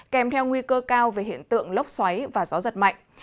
kèm theo nguy cơ cao về hiện tượng lốc xoáy và gió giật mạnh